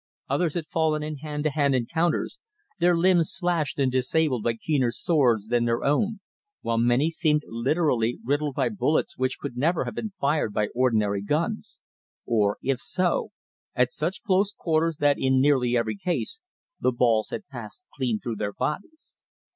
Others had fallen in hand to hand encounters, their limbs slashed and disabled by keener swords than their own, while many seemed literally riddled by bullets which could never have been fired by ordinary guns, or if so, at such close quarters that in nearly every case the balls had passed clean through their bodies.